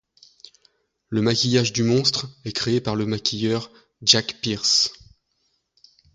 Le maquillage du monstre est créé par le maquilleur Jack Pierce.